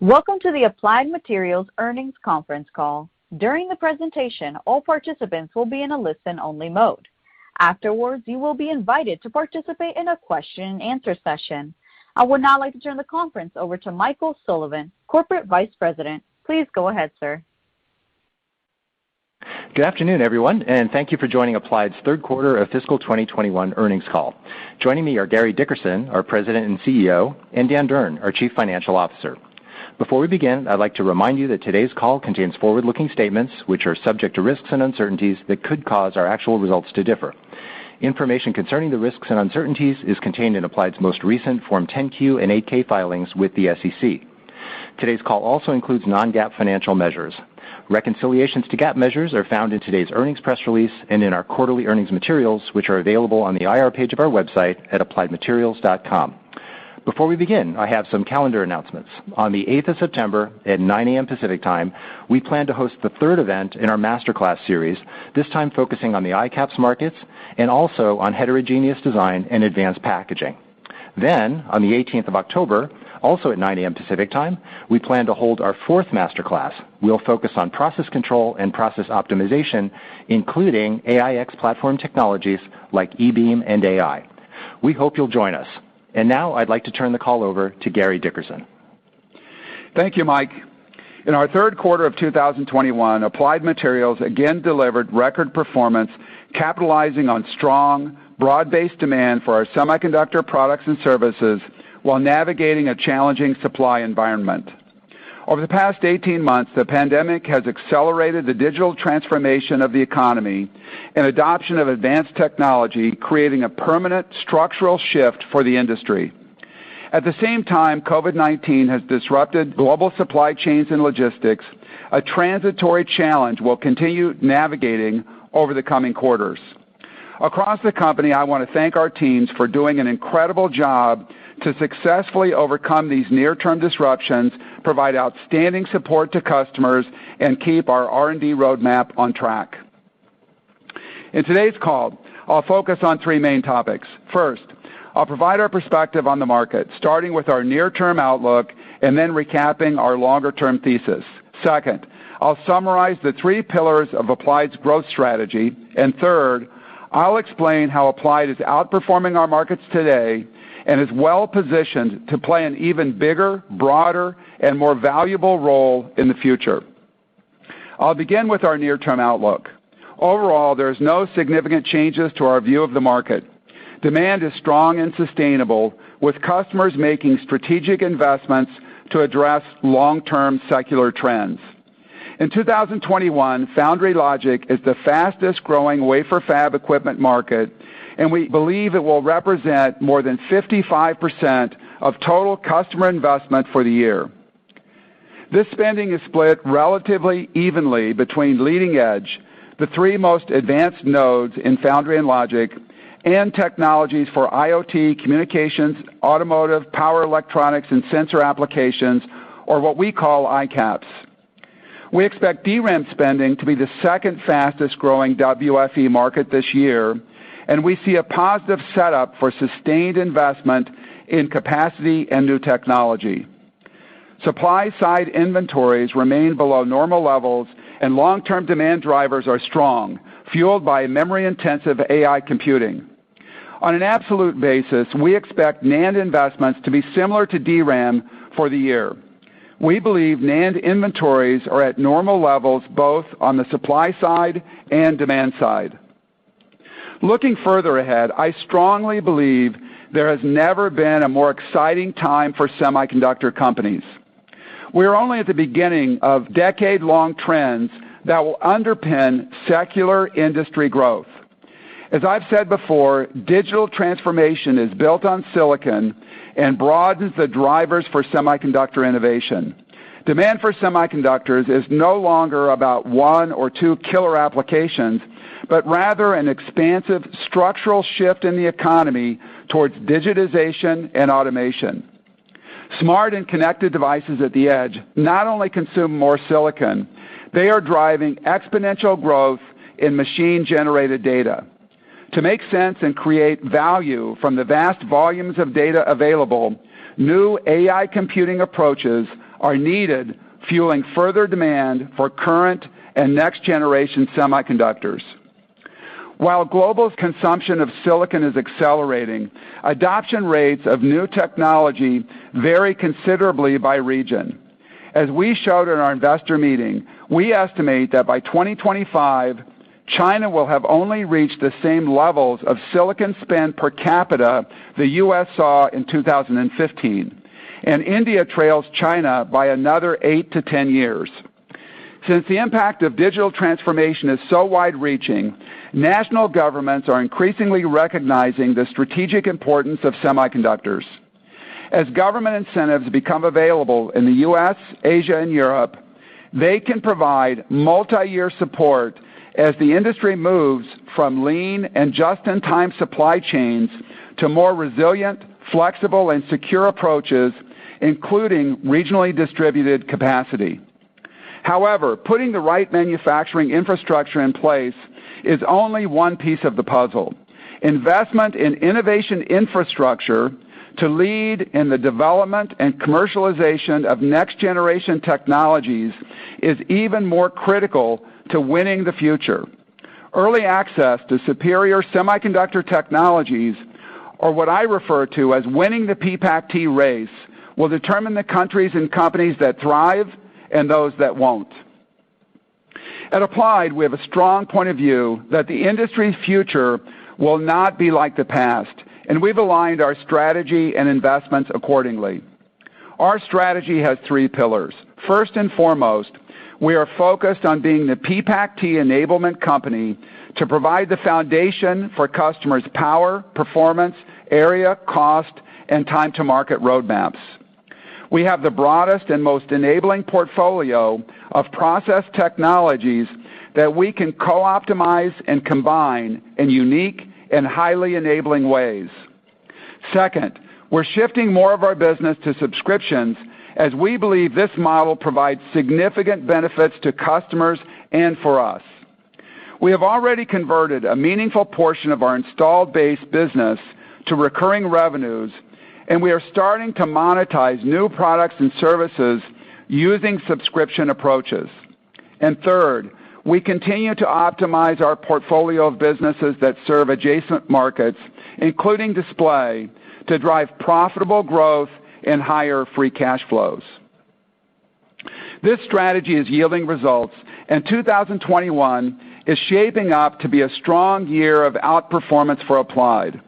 Welcome to the Applied Materials earnings conference call. During the presentation, all participants will be in a listen-only mode. Afterwards, you will be invited to participate in a question and answer session. I would now like to turn the conference over to Michael Sullivan, Corporate Vice President. Please go ahead, sir. Good afternoon, everyone, and thank you for joining Applied's third quarter of fiscal 2021 earnings call. Joining me are Gary Dickerson, our President and CEO, and Dan Durn, our Chief Financial Officer. Before we begin, I'd like to remind you that today's call contains forward-looking statements, which are subject to risks and uncertainties that could cause our actual results to differ. Information concerning the risks and uncertainties is contained in Applied's most recent Form 10-Q and 8-K filings with the SEC. Today's call also includes non-GAAP financial measures. Reconciliations to GAAP measures are found in today's earnings press release and in our quarterly earnings materials, which are available on the IR page of our website at appliedmaterials.com. Before we begin, I have some calendar announcements. On the 8th of September at 9:00 A.M. Pacific Time, we plan to host the third event in our Master Class series, this time focusing on the ICAPS markets and also on heterogeneous design and advanced packaging. On the 18th of October, also at 9:00 A.M. Pacific Time, we plan to hold our fourth Master Class. We'll focus on process control and process optimization, including AIx platform technologies like eBeam and AI. We hope you'll join us. Now I'd like to turn the call over to Gary Dickerson. Thank you, Mike. In our third quarter of 2021, Applied Materials again delivered record performance, capitalizing on strong, broad-based demand for our semiconductor products and services while navigating a challenging supply environment. Over the past 18 months, the pandemic has accelerated the digital transformation of the economy and adoption of advanced technology, creating a permanent structural shift for the industry. At the same time, COVID-19 has disrupted global supply chains and logistics, a transitory challenge we'll continue navigating over the coming quarters. Across the company, I want to thank our teams for doing an incredible job to successfully overcome these near-term disruptions, provide outstanding support to customers, and keep our R&D roadmap on track. In today's call, I'll focus on three main topics. First, I'll provide our perspective on the market, starting with our near-term outlook and then recapping our longer-term thesis. Second, I'll summarize the three pillars of Applied's growth strategy. Third, I'll explain how Applied is outperforming our markets today and is well-positioned to play an even bigger, broader, and more valuable role in the future. I'll begin with our near-term outlook. Overall, there's no significant changes to our view of the market. Demand is strong and sustainable, with customers making strategic investments to address long-term secular trends. In 2021, foundry logic is the fastest-growing wafer fab equipment market, and we believe it will represent more than 55% of total customer investment for the year. This spending is split relatively evenly between leading edge, the three most advanced nodes in foundry and logic, and technologies for IoT, communications, automotive, power electronics, and sensor applications, or what we call ICAPS. We expect DRAM spending to be the second fastest-growing WFE market this year, and we see a positive setup for sustained investment in capacity and new technology. Supply-side inventories remain below normal levels, and long-term demand drivers are strong, fueled by memory-intensive AI computing. On an absolute basis, we expect NAND investments to be similar to DRAM for the year. We believe NAND inventories are at normal levels both on the supply side and demand side. Looking further ahead, I strongly believe there has never been a more exciting time for semiconductor companies. We are only at the beginning of decade-long trends that will underpin secular industry growth. As I've said before, digital transformation is built on silicon and broadens the drivers for semiconductor innovation. Demand for semiconductors is no longer about one or two killer applications, but rather an expansive structural shift in the economy towards digitization and automation. Smart and connected devices at the edge not only consume more silicon, they are driving exponential growth in machine-generated data. To make sense and create value from the vast volumes of data available, new AI computing approaches are needed, fueling further demand for current and next-generation semiconductors. While global consumption of silicon is accelerating, adoption rates of new technology vary considerably by region. As we showed in our Investor Meeting, we estimate that by 2025, China will have only reached the same levels of silicon spend per capita the U.S. saw in 2015, and India trails China by another 8-10 years. Since the impact of digital transformation is so wide-reaching, national governments are increasingly recognizing the strategic importance of semiconductors. As government incentives become available in the U.S., Asia, and Europe, they can provide multi-year support as the industry moves from lean and just-in-time supply chains to more resilient, flexible, and secure approaches, including regionally distributed capacity. However, putting the right manufacturing infrastructure in place is only one piece of the puzzle. Investment in innovation infrastructure to lead in the development and commercialization of next-generation technologies is even more critical to winning the future. Early access to superior semiconductor technologies, or what I refer to as winning the PPACt race, will determine the countries and companies that thrive and those that won't. At Applied, we have a strong point of view that the industry's future will not be like the past, and we've aligned our strategy and investments accordingly. Our strategy has three pillars. First and foremost, we are focused on being the PPACt enablement company to provide the foundation for customers' power, performance, area, cost, and time to market roadmaps. We have the broadest and most enabling portfolio of process technologies that we can co-optimize and combine in unique and highly enabling ways. Second, we're shifting more of our business to subscriptions as we believe this model provides significant benefits to customers and for us. We have already converted a meaningful portion of our installed base business to recurring revenues, and we are starting to monetize new products and services using subscription approaches. Third, we continue to optimize our portfolio of businesses that serve adjacent markets, including display, to drive profitable growth and higher free cash flows. This strategy is yielding results, and 2021 is shaping up to be a strong year of outperformance for Applied.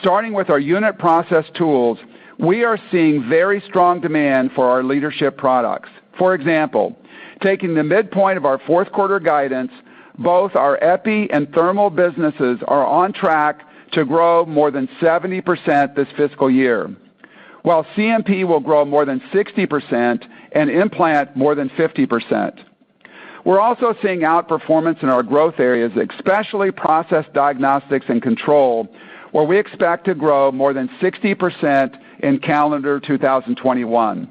Starting with our unit process tools, we are seeing very strong demand for our leadership products. For example, taking the midpoint of our fourth quarter guidance, both our epi and thermal businesses are on track to grow more than 70% this fiscal year, while CMP will grow more than 60% and implant more than 50%. We're also seeing outperformance in our growth areas, especially process diagnostics and control, where we expect to grow more than 60% in calendar 2021.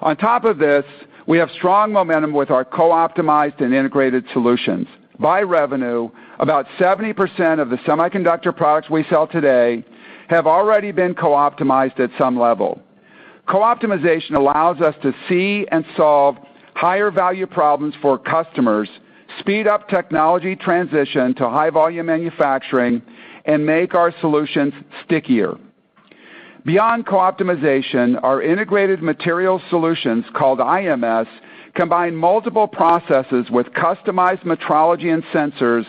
On top of this, we have strong momentum with our co-optimized and integrated solutions. By revenue, about 70% of the semiconductor products we sell today have already been co-optimized at some level. Co-optimization allows us to see and solve higher value problems for customers, speed up technology transition to high volume manufacturing, and make our solutions stickier. Beyond co-optimization, our Integrated Materials Solution, called IMS, combine multiple processes with customized metrology and sensors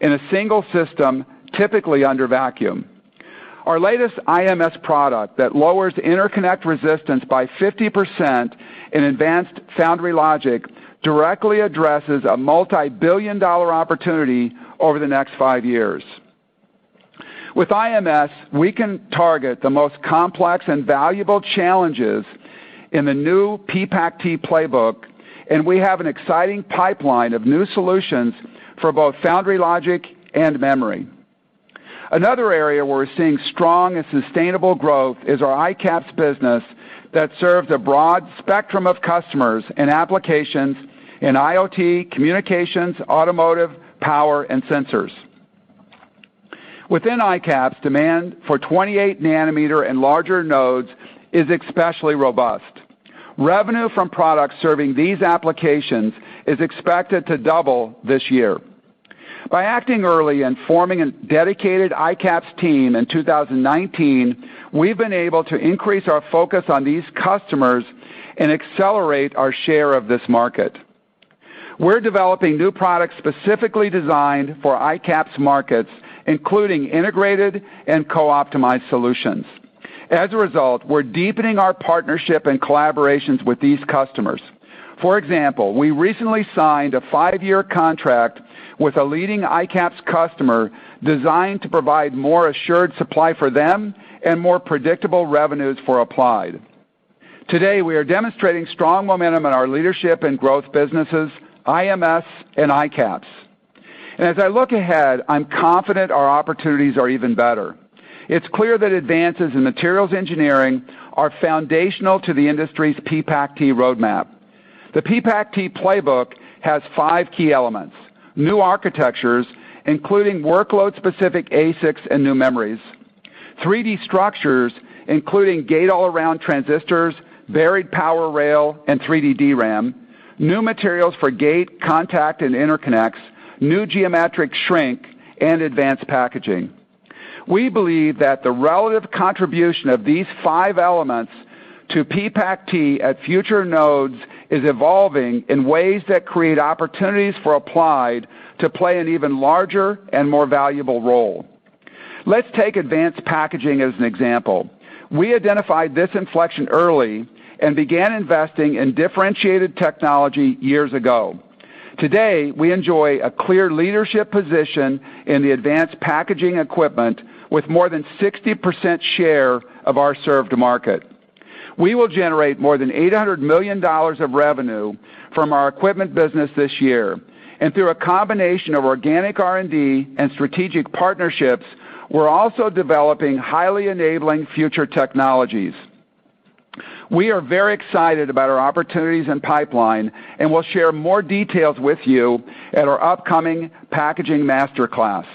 in a single system, typically under vacuum. Our latest IMS product that lowers interconnect resistance by 50% in advanced foundry logic directly addresses a multibillion-dollar opportunity over the next five years. With IMS, we can target the most complex and valuable challenges in the new PPACt playbook, and we have an exciting pipeline of new solutions for both foundry logic and memory. Another area where we're seeing strong and sustainable growth is our ICAPS business that serves a broad spectrum of customers and applications in IoT, communications, automotive, power, and sensors. Within ICAPS, demand for 28 nm and larger nodes is especially robust. Revenue from products serving these applications is expected to double this year. By acting early and forming a dedicated ICAPS team in 2019, we've been able to increase our focus on these customers and accelerate our share of this market. We're developing new products specifically designed for ICAPS markets, including integrated and co-optimized solutions. As a result, we're deepening our partnership and collaborations with these customers. For example, we recently signed a five-year contract with a leading ICAPS customer designed to provide more assured supply for them and more predictable revenues for Applied. Today, we are demonstrating strong momentum in our leadership and growth businesses, IMS and ICAPS. As I look ahead, I'm confident our opportunities are even better. It's clear that advances in materials engineering are foundational to the industry's PPACt roadmap. The PPACt playbook has five key elements, new architectures, including workload-specific ASICs and new memories, 3D structures, including gate-all-around transistors, buried power rail, and 3D DRAM, new materials for gate, contact, and interconnects, new geometric shrink, and advanced packaging. We believe that the relative contribution of these five elements to PPACt at future nodes is evolving in ways that create opportunities for Applied to play an even larger and more valuable role. Let's take advanced packaging as an example. We identified this inflection early and began investing in differentiated technology years ago. Today, we enjoy a clear leadership position in the advanced packaging equipment with more than 60% share of our served market. We will generate more than $800 million of revenue from our equipment business this year. Through a combination of organic R&D and strategic partnerships, we're also developing highly enabling future technologies. We are very excited about our opportunities and pipeline, and we'll share more details with you at our upcoming packaging Master Class.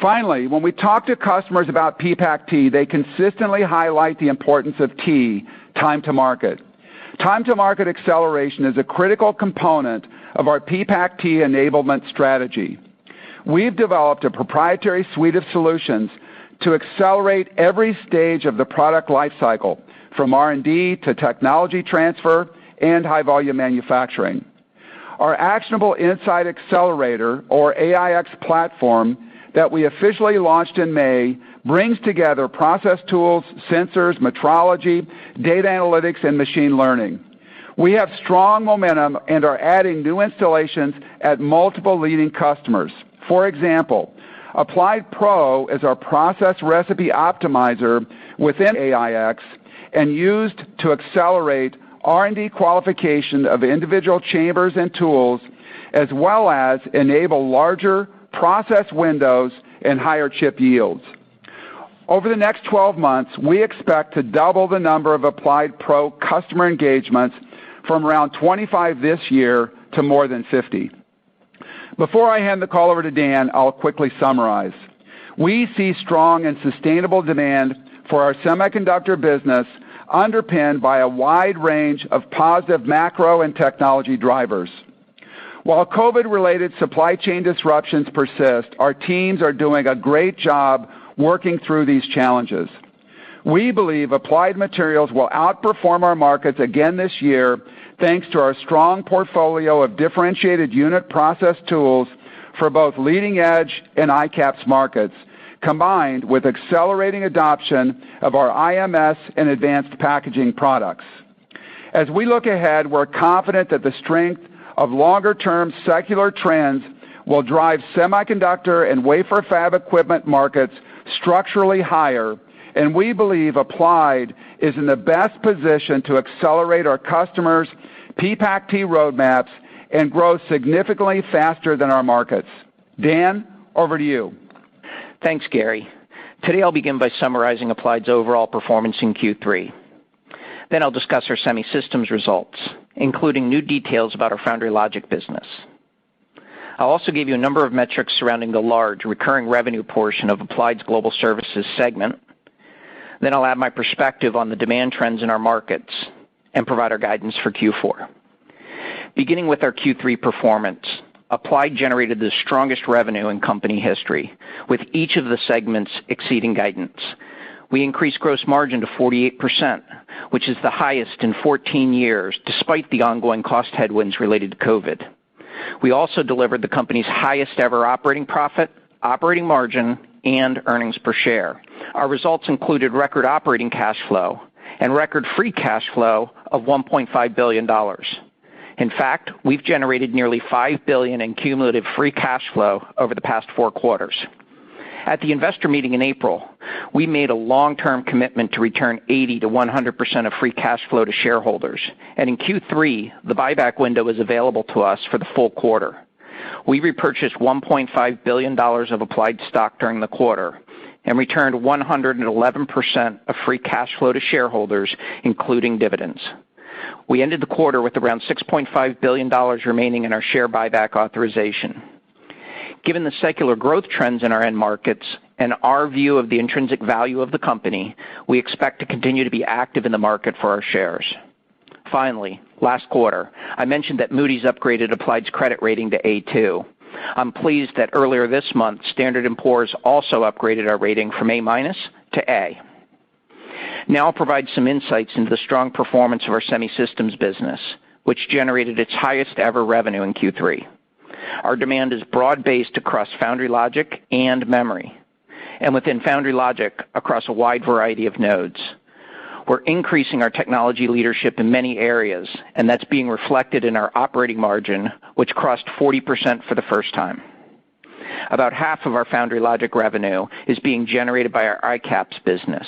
Finally, when we talk to customers about PPACt, they consistently highlight the importance of T, time to market. Time to market acceleration is a critical component of our PPACt enablement strategy. We've developed a proprietary suite of solutions to accelerate every stage of the product life cycle, from R&D to technology transfer and high-volume manufacturing. Our Actionable Insight Accelerator, or AIx platform, that we officially launched in May, brings together process tools, sensors, metrology, data analytics, and machine learning. We have strong momentum and are adding new installations at multiple leading customers. For example, AppliedPRO is our process recipe optimizer within AIx and used to accelerate R&D qualification of individual chambers and tools, as well as enable larger process windows and higher chip yields. Over the next 12 months, we expect to double the number of AppliedPRO customer engagements from around 25 this year to more than 50. Before I hand the call over to Dan, I'll quickly summarize. We see strong and sustainable demand for our semiconductor business, underpinned by a wide range of positive macro and technology drivers. While COVID-related supply chain disruptions persist, our teams are doing a great job working through these challenges. We believe Applied Materials will outperform our markets again this year, thanks to our strong portfolio of differentiated unit process tools for both leading-edge and ICAPS markets, combined with accelerating adoption of our IMS and advanced packaging products. As we look ahead, we're confident that the strength of longer-term secular trends will drive semiconductor and wafer fab equipment markets structurally higher, and we believe Applied is in the best position to accelerate our customers' PPACt roadmaps and grow significantly faster than our markets. Dan, over to you. Thanks, Gary. Today, I'll begin by summarizing Applied's overall performance in Q3. I'll discuss our Semi Systems results, including new details about our foundry logic business. I'll also give you a number of metrics surrounding the large recurring revenue portion of Applied's Global Services segment. I'll add my perspective on the demand trends in our markets and provide our guidance for Q4. Beginning with our Q3 performance, Applied generated the strongest revenue in company history, with each of the segments exceeding guidance. We increased gross margin to 48%, which is the highest in 14 years, despite the ongoing cost headwinds related to COVID. We also delivered the company's highest-ever operating profit, operating margin, and earnings per share. Our results included record operating cash flow and record free cash flow of $1.5 billion. In fact, we've generated nearly $5 billion in cumulative free cash flow over the past four quarters. At the Investor Meeting in April, we made a long-term commitment to return 80%-100% of free cash flow to shareholders. In Q3, the buyback window was available to us for the full quarter. We repurchased $1.5 billion of Applied stock during the quarter and returned 111% of free cash flow to shareholders, including dividends. We ended the quarter with around $6.5 billion remaining in our share buyback authorization. Given the secular growth trends in our end markets and our view of the intrinsic value of the company, we expect to continue to be active in the market for our shares. Finally, last quarter, I mentioned that Moody's upgraded Applied's credit rating to A2. I'm pleased that earlier this month, Standard & Poor's also upgraded our rating from A- to A. Now I'll provide some insights into the strong performance of our Semi Systems business, which generated its highest-ever revenue in Q3. Our demand is broad-based across foundry logic and memory, and within foundry logic, across a wide variety of nodes. We're increasing our technology leadership in many areas, and that's being reflected in our operating margin, which crossed 40% for the first time. About half of our foundry logic revenue is being generated by our ICAPS business,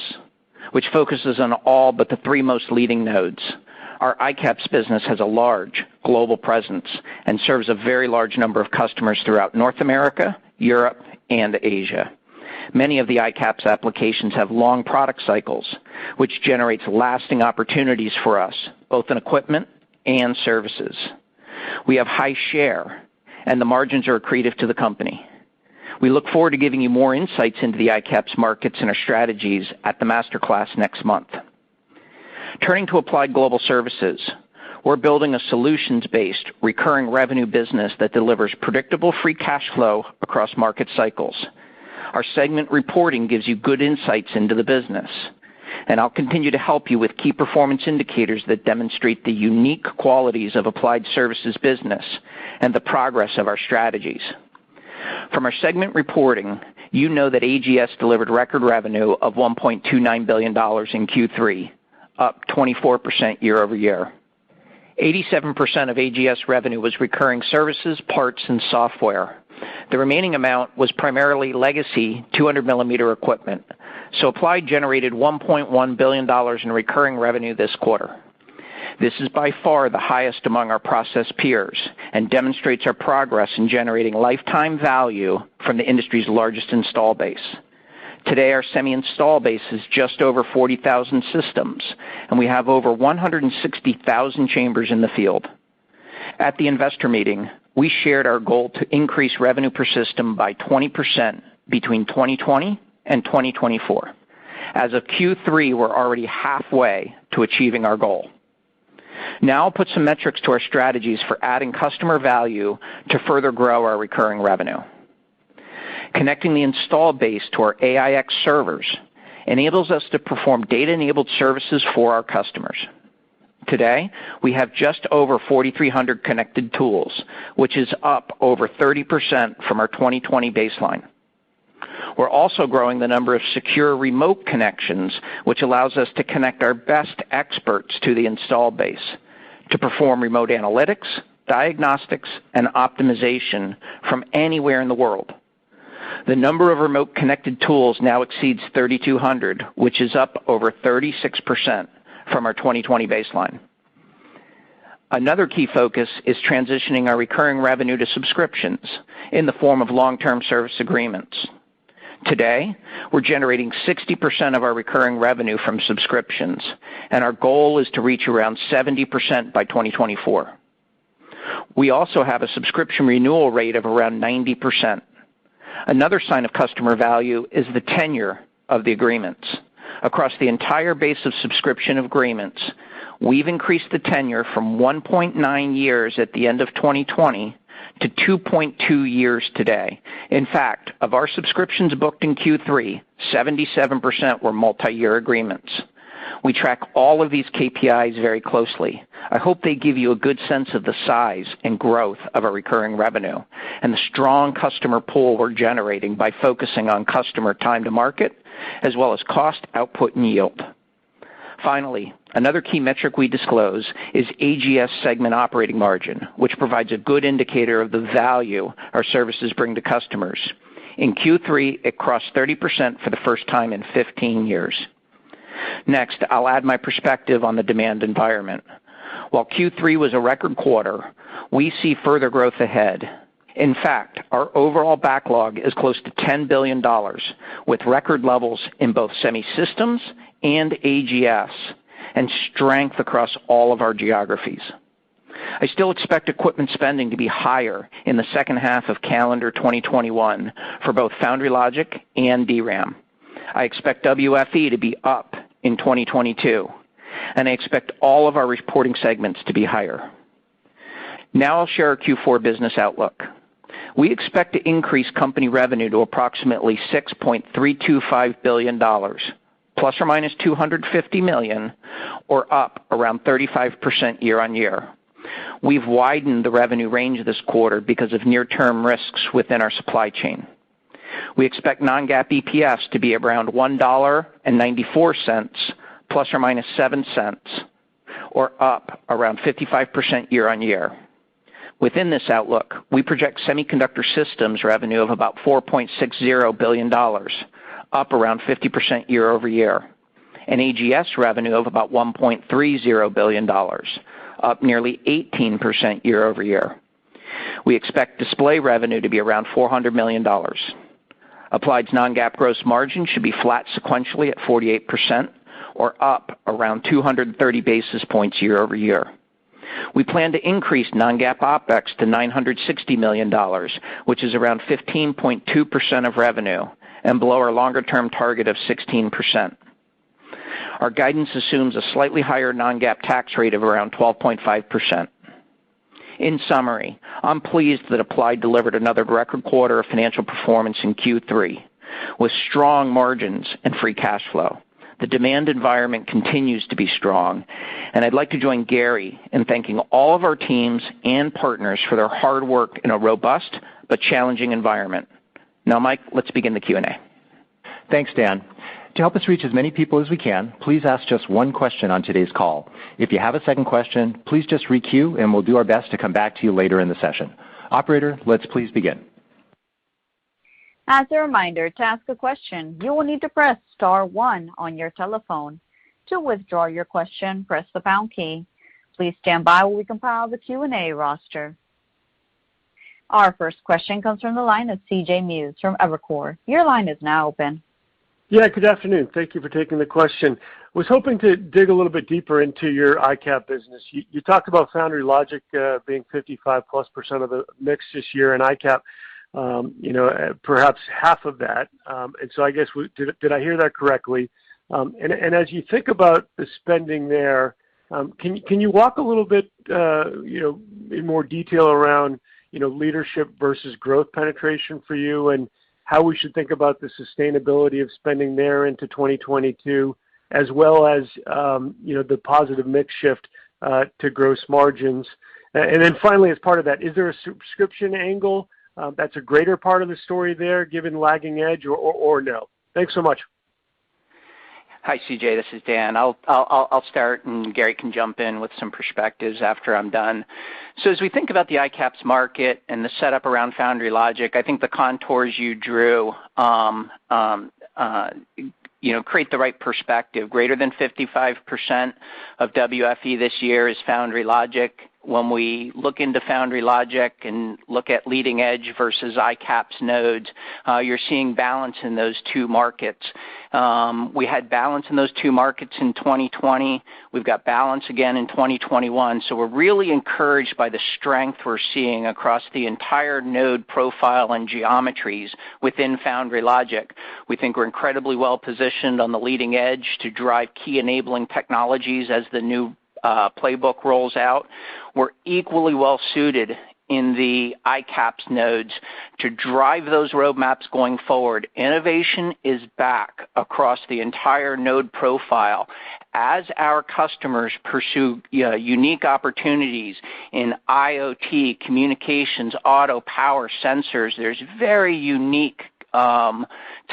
which focuses on all but the three most leading nodes. Our ICAPS business has a large global presence and serves a very large number of customers throughout North America, Europe, and Asia. Many of the ICAPS applications have long product cycles, which generates lasting opportunities for us, both in equipment and services. We have high share, and the margins are accretive to the company. We look forward to giving you more insights into the ICAPS markets and our strategies at the Master Class next month. Turning to Applied Global Services, we're building a solutions-based recurring revenue business that delivers predictable free cash flow across market cycles. Our segment reporting gives you good insights into the business, and I'll continue to help you with key performance indicators that demonstrate the unique qualities of Applied's services business and the progress of our strategies. From our segment reporting, you know that AGS delivered record revenue of $1.29 billion in Q3, up 24% year-over-year. 87% of AGS revenue was recurring services, parts, and software. The remaining amount was primarily legacy 200-millimeter equipment. Applied generated $1.1 billion in recurring revenue this quarter. This is by far the highest among our process peers and demonstrates our progress in generating lifetime value from the industry's largest install base. Today, our semi install base is just over 40,000 systems, and we have over 160,000 chambers in the field. At the Investor Meeting, we shared our goal to increase revenue per system by 20% between 2020 and 2024. As of Q3, we're already halfway to achieving our goal. Now I'll put some metrics to our strategies for adding customer value to further grow our recurring revenue. Connecting the install base to our AIx servers enables us to perform data-enabled services for our customers. Today, we have just over 4,300 connected tools, which is up over 30% from our 2020 baseline. We're also growing the number of secure remote connections, which allows us to connect our best experts to the install base to perform remote analytics, diagnostics, and optimization from anywhere in the world. The number of remote connected tools now exceeds 3,200, which is up over 36% from our 2020 baseline. Another key focus is transitioning our recurring revenue to subscriptions in the form of long-term service agreements. Today, we're generating 60% of our recurring revenue from subscriptions, and our goal is to reach around 70% by 2024. We also have a subscription renewal rate of around 90%. Another sign of customer value is the tenure of the agreements. Across the entire base of subscription agreements, we've increased the tenure from 1.9 years at the end of 2020 to 2.2 years today. In fact, of our subscriptions booked in Q3, 77% were multi-year agreements. We track all of these KPIs very closely. I hope they give you a good sense of the size and growth of our recurring revenue and the strong customer pull we're generating by focusing on customer time to market, as well as cost, output, and yield. Finally, another key metric we disclose is AGS segment operating margin, which provides a good indicator of the value our services bring to customers. In Q3, it crossed 30% for the first time in 15 years. Next, I'll add my perspective on the demand environment. While Q3 was a record quarter, we see further growth ahead. In fact, our overall backlog is close to $10 billion, with record levels in both Semi Systems and AGS, and strength across all of our geographies. I still expect equipment spending to be higher in the second half of calendar 2021 for both foundry logic and DRAM. I expect WFE to be up in 2022, and I expect all of our reporting segments to be higher. Now I'll share our Q4 business outlook. We expect to increase company revenue to approximately $6.325 billion, ±$250 million, or up around 35% year on year. We've widened the revenue range this quarter because of near-term risks within our supply chain. We expect non-GAAP EPS to be around $1.94, ±$0.07, or up around 55% year on year. Within this outlook, we project semiconductor systems revenue of about $4.60 billion, up around 50% year-over-year, and AGS revenue of about $1.30 billion, up nearly 18% year-over-year. We expect display revenue to be around $400 million. Applied's non-GAAP gross margin should be flat sequentially at 48%, or up around 230 basis points year-over-year. We plan to increase non-GAAP OpEx to $960 million, which is around 15.2% of revenue, and below our longer-term target of 16%. Our guidance assumes a slightly higher non-GAAP tax rate of around 12.5%. In summary, I'm pleased that Applied delivered another record quarter of financial performance in Q3, with strong margins and free cash flow. The demand environment continues to be strong, and I'd like to join Gary in thanking all of our teams and partners for their hard work in a robust but challenging environment. Now, Mike, let's begin the Q&A. Thanks, Dan. To help us reach as many people as we can, please ask just one question on today's call. If you have a second question, please just re-queue, and we'll do our best to come back to you later in the session. Operator, let's please begin. As a reminder to ask a question, you will need to press star one on your telephone. To withdraw your question, press the pound key. Please standby while we compile the Q&A roster. Our first question comes from the line of C.J. Muse from Evercore. Your line is now open. Good afternoon. Thank you for taking the question. I was hoping to dig a little bit deeper into your ICAPS business. You talked about foundry logic being 55%+ of the mix this year, and ICAPS perhaps half of that. I guess, did I hear that correctly? As you think about the spending there, can you walk a little bit in more detail around leadership versus growth penetration for you and how we should think about the sustainability of spending there into 2022, as well as the positive mix shift to gross margins. Finally, as part of that, is there a subscription angle that's a greater part of the story there, given lagging edge, or no? Thanks so much. Hi, C.J. This is Dan. I'll start, and Gary can jump in with some perspectives after I'm done. As we think about the ICAPS market and the setup around foundry logic, I think the contours you drew create the right perspective. Greater than 55% of WFE this year is foundry logic. When we look into foundry logic and look at leading edge versus ICAPS nodes, you're seeing balance in those two markets. We had balance in those two markets in 2020. We've got balance again in 2021. We're really encouraged by the strength we're seeing across the entire node profile and geometries within foundry logic. We think we're incredibly well-positioned on the leading edge to drive key enabling technologies as the new playbook rolls out. We're equally well-suited in the ICAPS nodes to drive those roadmaps going forward. Innovation is back across the entire node profile as our customers pursue unique opportunities in IoT, communications, auto power, sensors. There's very unique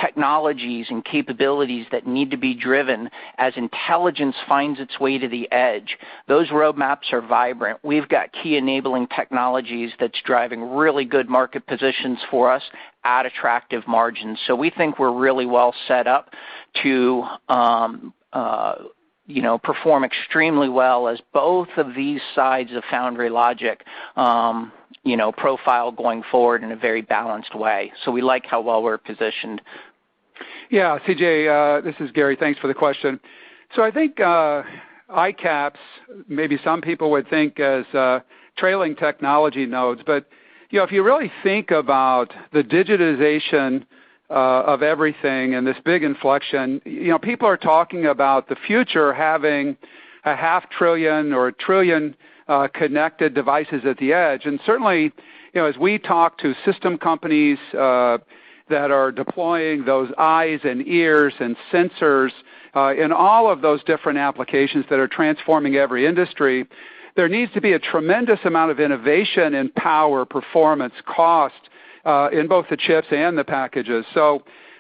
technologies and capabilities that need to be driven as intelligence finds its way to the edge. Those roadmaps are vibrant. We've got key enabling technologies that's driving really good market positions for us at attractive margins. We think we're really well set up to perform extremely well as both of these sides of foundry logic profile going forward in a very balanced way. We like how well we're positioned. Yeah, C.J., this is Gary. Thanks for the question. I think ICAPS, maybe some people would think as trailing technology nodes, but if you really think about the digitization of everything and this big inflection, people are talking about the future having a 500 billion or 1 trillion connected devices at the edge. Certainly, as we talk to system companies that are deploying those eyes and ears and sensors in all of those different applications that are transforming every industry, there needs to be a tremendous amount of innovation in power, performance, cost in both the chips and the packages.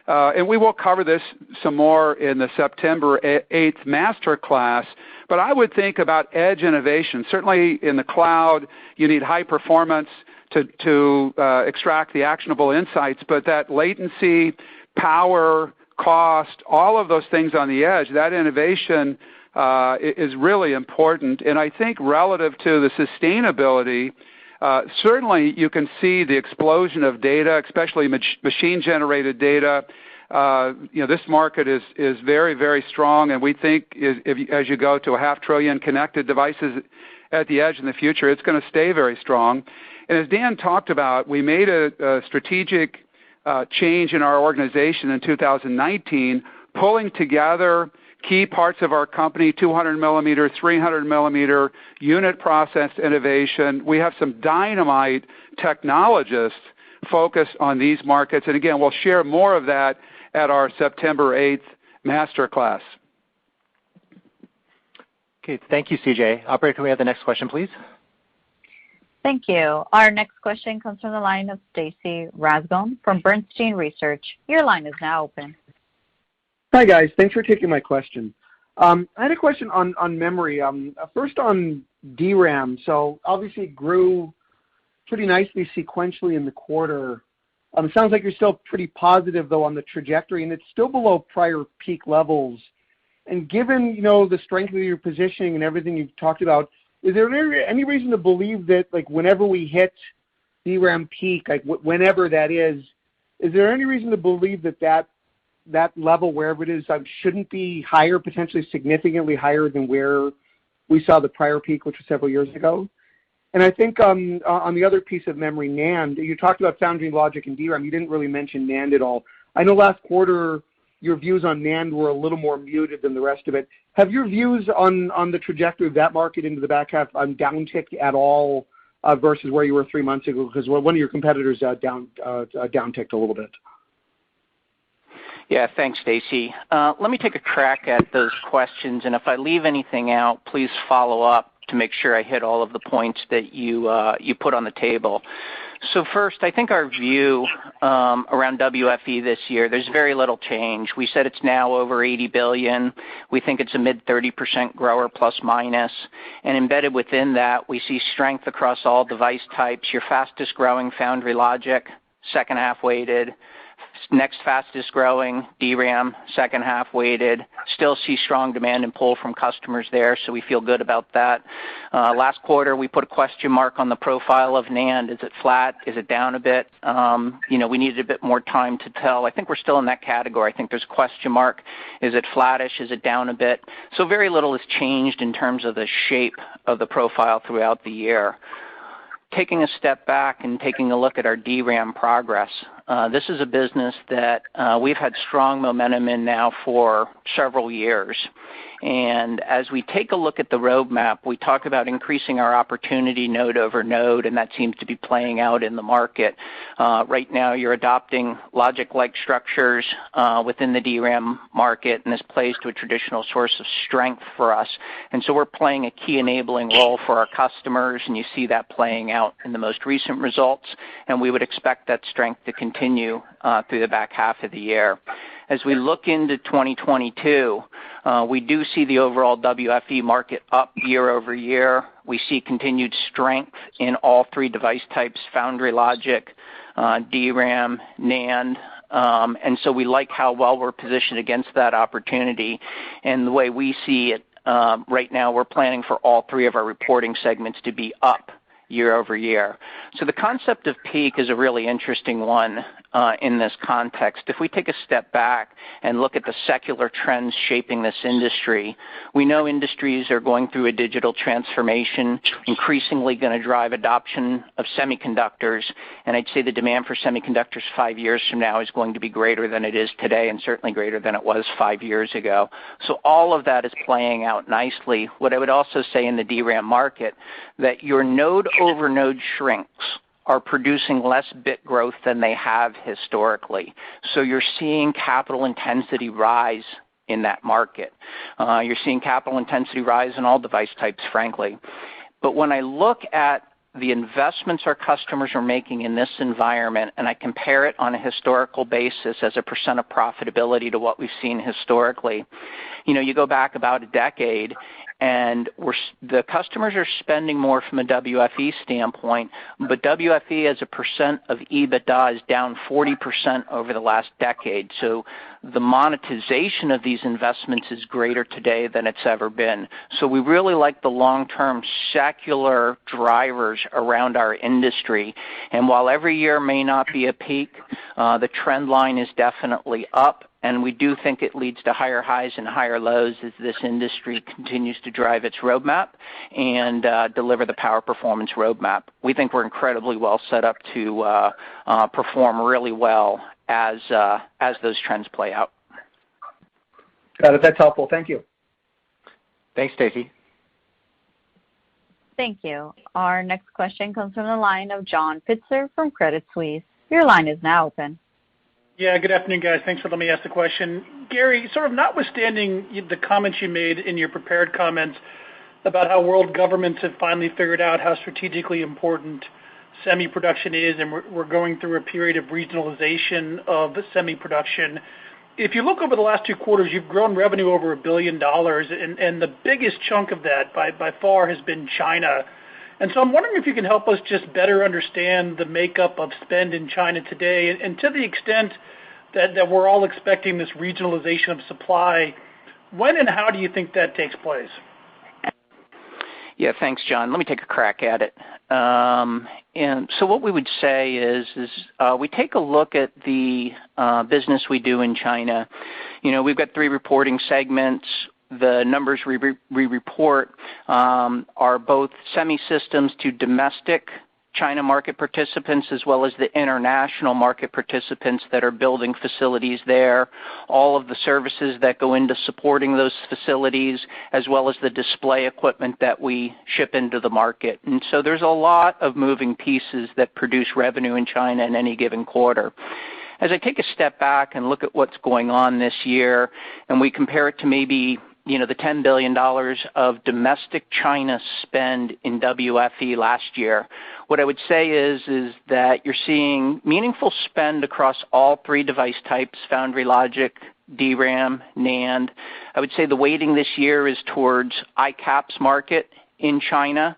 We will cover this some more in the September 8th Master Class, but I would think about edge innovation. Certainly in the cloud, you need high performance to extract the actionable insights, but that latency, power, cost, all of those things on the edge, that innovation is really important. I think relative to the sustainability, certainly you can see the explosion of data, especially machine-generated data. This market is very strong, and we think as you go to a 500 billion connected devices at the edge in the future, it's going to stay very strong. As Dan talked about, we made a strategic change in our organization in 2019, pulling together key parts of our company, 200 mm, 300 mm, unit process innovation. We have some dynamite technologists focused on these markets. Again, we'll share more of that at our September 8th Master Class. Okay, thank you, C.J. Operator, can we have the next question, please? Thank you. Our next question comes from the line of Stacy Rasgon from Bernstein Research. Your line is now open. Hi, guys. Thanks for taking my question. I had a question on memory. First on DRAM. Obviously it grew pretty nicely sequentially in the quarter. It sounds like you're still pretty positive, though, on the trajectory, and it's still below prior peak levels. Given the strength of your positioning and everything you've talked about, is there any reason to believe that whenever we hit DRAM peak, whenever that is there any reason to believe that that level, wherever it is, shouldn't be higher, potentially significantly higher than where we saw the prior peak, which was several years ago? I think on the other piece of memory, NAND, you talked about foundry logic and DRAM. You didn't really mention NAND at all. I know last quarter, your views on NAND were a little more muted than the rest of it. Have your views on the trajectory of that market into the back half downticked at all versus where you were three months ago? Because one of your competitors downticked a little bit. Thanks, Stacy. Let me take a crack at those questions, and if I leave anything out, please follow up to make sure I hit all of the points that you put on the table. First, I think our view around WFE this year, there's very little change. We said it's now over $80 billion. We think it's a mid-30% grower, plus or minus. Embedded within that, we see strength across all device types. Your fastest-growing foundry logic, second half weighted. Next fastest-growing, DRAM, second half weighted. Still see strong demand and pull from customers there, we feel good about that. Last quarter, we put a question mark on the profile of NAND. Is it flat? Is it down a bit? We needed a bit more time to tell. I think we're still in that category. I think there's a question mark. Is it flattish? Is it down a bit? Very little has changed in terms of the shape of the profile throughout the year. Taking a step back and taking a look at our DRAM progress, this is a business that we've had strong momentum in now for several years. As we take a look at the roadmap, we talk about increasing our opportunity node over node, and that seems to be playing out in the market. Right now, you're adopting logic-like structures within the DRAM market, and this plays to a traditional source of strength for us. We're playing a key enabling role for our customers, and you see that playing out in the most recent results, and we would expect that strength to continue through the back half of the year. As we look into 2022, we do see the overall WFE market up year-over-year. We see continued strength in all three device types, foundry logic, DRAM, NAND. We like how well we're positioned against that opportunity, and the way we see it, right now we're planning for all three of our reporting segments to be up year-over-year. The concept of peak is a really interesting one in this context. If we take a step back and look at the secular trends shaping this industry, we know industries are going through a digital transformation, increasingly going to drive adoption of semiconductors. I'd say the demand for semiconductors five years from now is going to be greater than it is today, and certainly greater than it was five years ago. All of that is playing out nicely. What I would also say in the DRAM market, that your node-over-node shrinks are producing less bit growth than they have historically. You're seeing capital intensity rise in that market. You're seeing capital intensity rise in all device types, frankly. When I look at the investments our customers are making in this environment, and I compare it on a historical basis as a percent of profitability to what we've seen historically, you go back about a decade, and the customers are spending more from a WFE standpoint, but WFE as a percent of EBITDA is down 40% over the last decade. The monetization of these investments is greater today than it's ever been. We really like the long-term secular drivers around our industry. While every year may not be a peak, the trend line is definitely up, and we do think it leads to higher highs and higher lows as this industry continues to drive its roadmap and deliver the power performance roadmap. We think we're incredibly well set up to perform really well as those trends play out. Got it. That's helpful. Thank you. Thanks, Stacy. Thank you. Our next question comes from the line of John Pitzer from Credit Suisse. Your line is now open. Yeah, good afternoon, guys. Thanks for letting me ask the question. Gary, sort of notwithstanding the comments you made in your prepared comments about how world governments have finally figured out how strategically important semi production is, we're going through a period of regionalization of semi production. If you look over the last two quarters, you've grown revenue over $1 billion, the biggest chunk of that, by far, has been China. So I'm wondering if you can help us just better understand the makeup of spend in China today, to the extent that we're all expecting this regionalization of supply, when and how do you think that takes place? Yeah, thanks, John. Let me take a crack at it. What we would say is, we take a look at the business we do in China. We've got three reporting segments. The numbers we report are both Semi Systems to domestic China market participants, as well as the international market participants that are building facilities there, all of the services that go into supporting those facilities, as well as the display equipment that we ship into the market. There's a lot of moving pieces that produce revenue in China in any given quarter. As I take a step back and look at what's going on this year, and we compare it to maybe the $10 billion of domestic China spend in WFE last year, what I would say is that you're seeing meaningful spend across all three device types, foundry logic, DRAM, NAND. I would say the weighting this year is towards ICAPS market in China.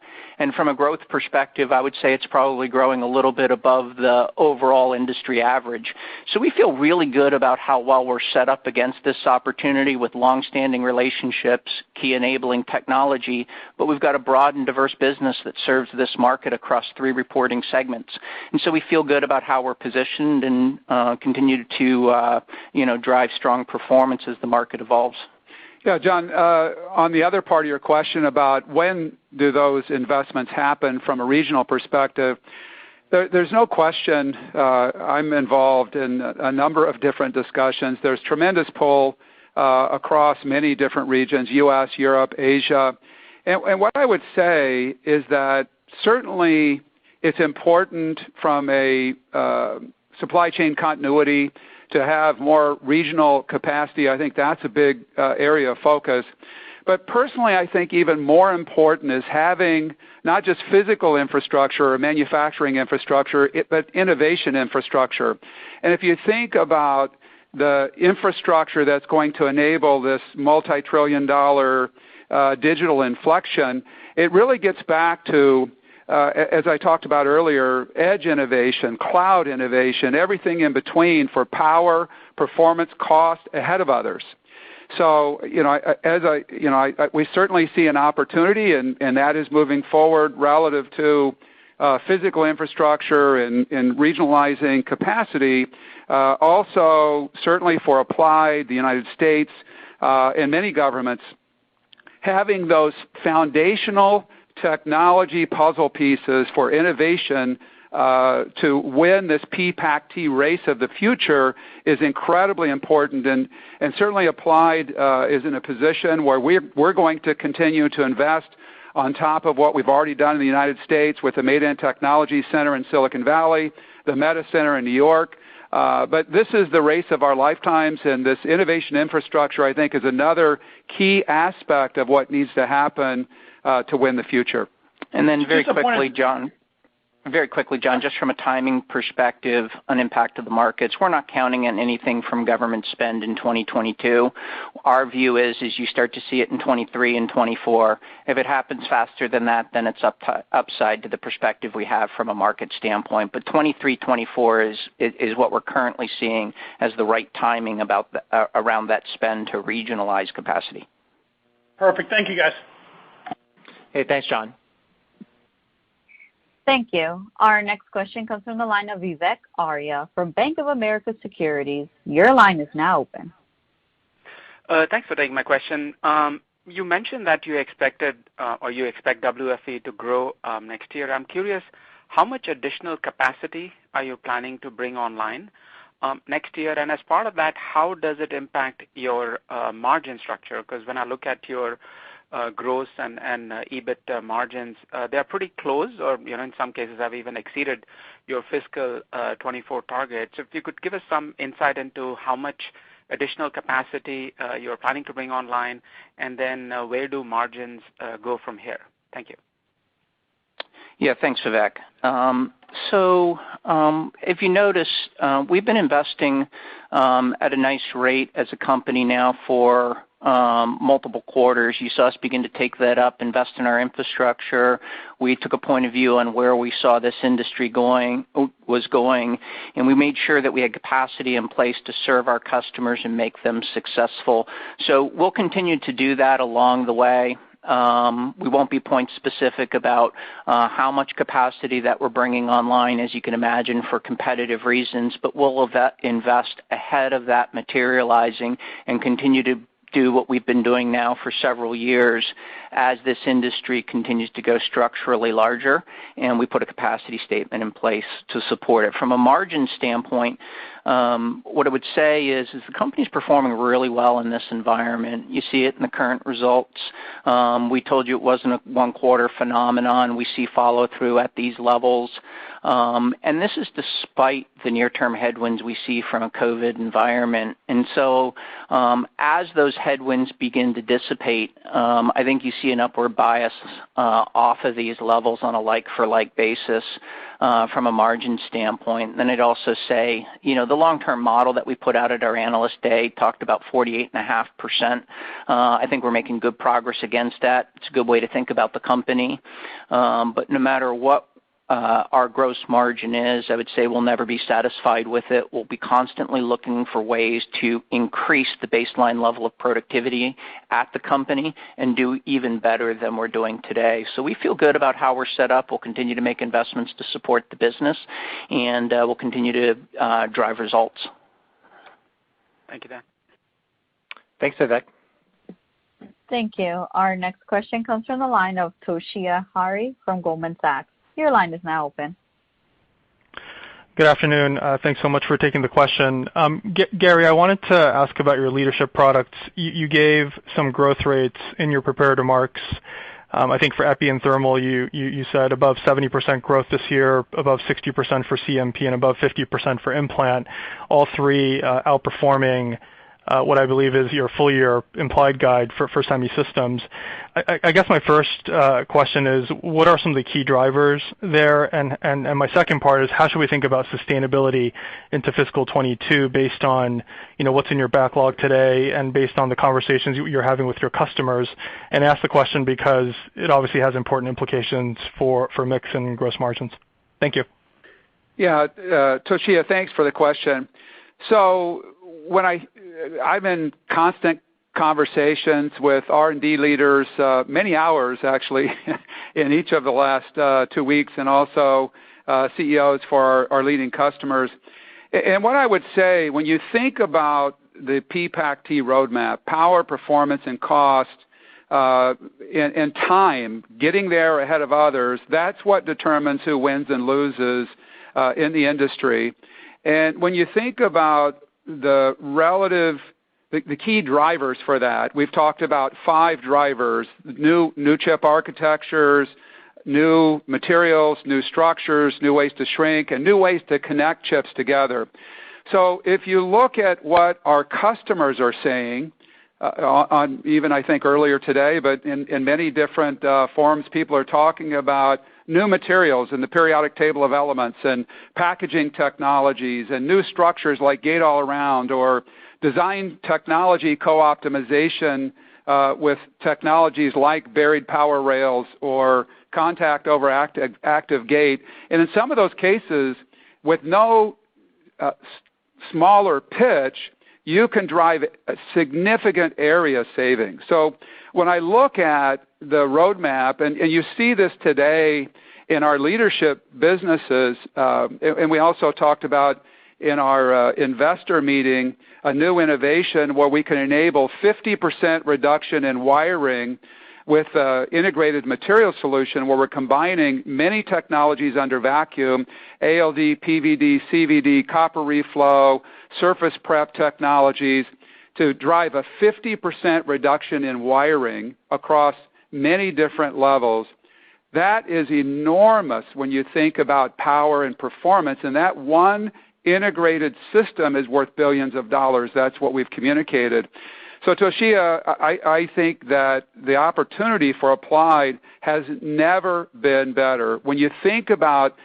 From a growth perspective, I would say it's probably growing a little bit above the overall industry average. We feel really good about how well we're set up against this opportunity with long-standing relationships, key enabling technology, but we've got a broad and diverse business that serves this market across three reporting segments. We feel good about how we're positioned and continue to drive strong performance as the market evolves. Yeah, John, on the other part of your question about when do those investments happen from a regional perspective, there's no question I'm involved in a number of different discussions. There's tremendous pull across many different regions, U.S., Europe, Asia. What I would say is that certainly it's important from a supply chain continuity to have more regional capacity. I think that's a big area of focus. Personally, I think even more important is having not just physical infrastructure or manufacturing infrastructure, but innovation infrastructure. If you think about the infrastructure that's going to enable this multi-trillion dollar digital inflection, it really gets back to, as I talked about earlier, edge innovation, cloud innovation, everything in between for power, performance, cost ahead of others. We certainly see an opportunity, and that is moving forward relative to physical infrastructure and regionalizing capacity. Also certainly for Applied, the United States, and many governments, having those foundational technology puzzle pieces for innovation to win this PPACt race of the future is incredibly important. Certainly Applied is in a position where we're going to continue to invest on top of what we've already done in the United States with the Maydan Technology Center in Silicon Valley, the META Center in New York. This is the race of our lifetimes, and this innovation infrastructure, I think, is another key aspect of what needs to happen to win the future. Very quickly, John, just from a timing perspective on impact of the markets, we're not counting on anything from government spend in 2022. Our view is you start to see it in 2023 and 2024. If it happens faster than that, then it's upside to the perspective we have from a market standpoint. 2023, 2024 is what we're currently seeing as the right timing around that spend to regionalize capacity. Perfect. Thank you, guys. Hey, thanks, John. Thank you. Our next question comes from the line of Vivek Arya from Bank of America Securities. Thanks for taking my question. You mentioned that you expect WFE to grow next year. I'm curious, how much additional capacity are you planning to bring online next year? As part of that, how does it impact your margin structure? Because when I look at your gross and EBIT margins, they're pretty close, or in some cases have even exceeded your fiscal 2024 targets. If you could give us some insight into how much additional capacity you're planning to bring online, and then where do margins go from here? Thank you. Yeah, thanks, Vivek. If you notice, we've been investing at a nice rate as a company now for multiple quarters. You saw us begin to take that up, invest in our infrastructure. We took a point of view on where we saw this industry was going, and we made sure that we had capacity in place to serve our customers and make them successful. We'll continue to do that along the way. We won't be point specific about how much capacity that we're bringing online, as you can imagine, for competitive reasons, but we'll invest ahead of that materializing and continue to do what we've been doing now for several years as this industry continues to go structurally larger, and we put a capacity statement in place to support it. From a margin standpoint, what I would say is, the company's performing really well in this environment. You see it in the current results. We told you it wasn't a one-quarter phenomenon. We see follow-through at these levels. This is despite the near-term headwinds we see from a COVID environment. As those headwinds begin to dissipate, I think you see an upward bias off of these levels on a like-for-like basis from a margin standpoint. I'd also say, the long-term model that we put out at our Analyst Day talked about 48.5%. I think we're making good progress against that. It's a good way to think about the company. No matter what our gross margin is, I would say we'll never be satisfied with it. We'll be constantly looking for ways to increase the baseline level of productivity at the company and do even better than we're doing today. We feel good about how we're set up. We'll continue to make investments to support the business, and we'll continue to drive results. Thank you, Dan. Thanks, Vivek. Thank you. Our next question comes from the line of Toshiya Hari from Goldman Sachs. Your line is now open. Good afternoon. Thanks so much fo taking the question. Gary, I wanted to ask about your leadership products. You gave some growth rates in your prepared remarks. I think for epi and thermal, you said above 70% growth this year, above 60% for CMP, and above 50% for implant, all three outperforming what I believe is your full-year implied guide for Semi Systems. I guess my first question is, what are some of the key drivers there? And my second part is, how should we think about sustainability into fiscal 2022 based on what's in your backlog today and based on the conversations you're having with your customers? I ask the question because it obviously has important implications for mix and gross margins. Thank you. Yeah. Toshiya, thanks for the question. I'm in constant conversations with R&D leaders, many hours actually in each of the last two weeks and also CEOs for our leading customers. And what I would say, when you think about the PPACt roadmap, power, performance, and cost, and time, getting there ahead of others, that's what determines who wins and loses in the industry. And when you think about the key drivers for that, we've talked about five drivers, new chip architectures, new materials, new structures, new ways to shrink, and new ways to connect chips together. If you look at what our customers are saying, even I think earlier today, but in many different forms, people are talking about new materials in the periodic table of elements and packaging technologies and new structures like gate-all-around or design technology co-optimization with technologies like buried power rails or contact over active gate. In some of those cases, with no smaller pitch, you can drive significant area savings. When I look at the roadmap, and you see this today in our leadership businesses, and we also talked about in our Investor Meeting, a new innovation where we can enable 50% reduction in wiring with Integrated Materials Solution, where we're combining many technologies under vacuum, ALD, PVD, CVD, copper reflow, surface prep technologies, to drive a 50% reduction in wiring across many different levels. That is enormous when you think about power and performance, and that one integrated system is worth $billions. That's what we've communicated. Toshiya, I think that the opportunity for Applied has never been better. When you think about